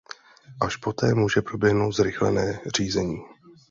Až poté může proběhnout zrychlené řízení.